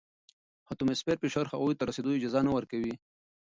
خو د اتموسفیر فشار هغوی ته د رسیدو اجازه نه ورکوي.